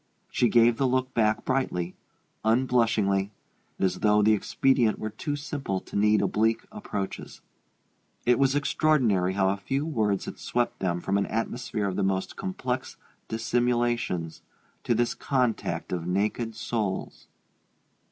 She gave the look back brightly, unblushingly, as though the expedient were too simple to need oblique approaches. It was extraordinary how a few words had swept them from an atmosphere of the most complex dissimulations to this contact of naked souls.